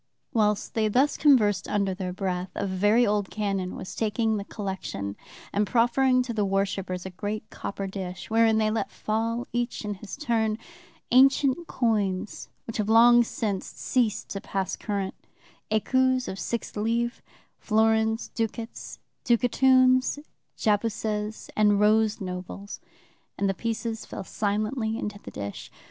"Whilst they thus conversed under their breath, a very old canon was taking the collection and proffering to the worshipers a great copper dish, wherein they let fall, each in his turn, ancient coins which have long since ceased to pass current: écus of six livres, florins, ducats and ducatoons, jacobuses and rose nobles, and the pieces fell silently into the dish.